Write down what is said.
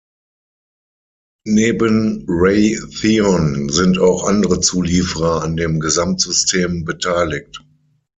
Neben Raytheon sind auch andere Zulieferer an dem Gesamtsystem beteiligt.